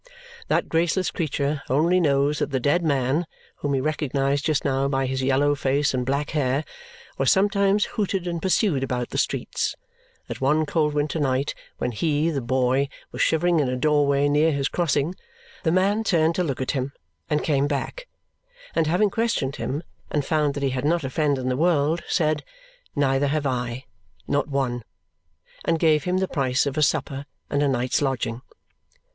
That graceless creature only knows that the dead man (whom he recognized just now by his yellow face and black hair) was sometimes hooted and pursued about the streets. That one cold winter night when he, the boy, was shivering in a doorway near his crossing, the man turned to look at him, and came back, and having questioned him and found that he had not a friend in the world, said, "Neither have I. Not one!" and gave him the price of a supper and a night's lodging.